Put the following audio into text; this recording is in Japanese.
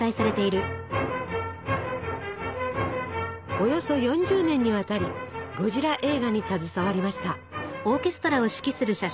およそ４０年にわたりゴジラ映画に携わりました。